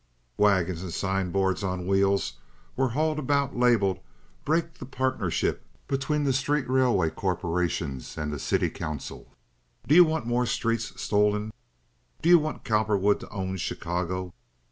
Wagons and sign boards on wheels were hauled about labeled "Break the partnership between the street railway corporations and the city council." "Do you want more streets stolen?" "Do you want Cowperwood to own Chicago?"